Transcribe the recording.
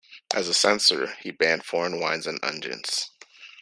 As a censor, he banned foreign wines and unguents.